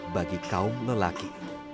bagi kaum lelaki